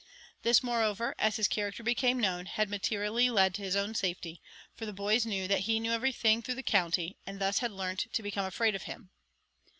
This, moreover, as his character became known, had materially led to his own safety; for the boys knew that he knew everything through the county, and thus had learnt to become afraid of him.